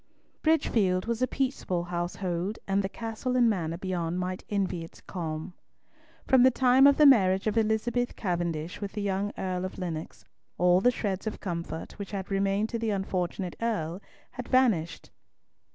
Bridgefield was a peaceable household, and the castle and manor beyond might envy its calm. From the time of the marriage of Elizabeth Cavendish with the young Earl of Lennox all the shreds of comfort which had remained to the unfortunate Earl had vanished.